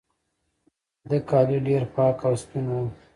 د ده کالي ډېر پاک او سپین وو.